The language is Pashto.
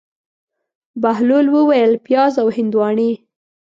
بهلول وویل: پیاز او هندواڼې.